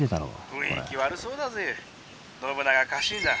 「雰囲気悪そうだぜ信長家臣団」。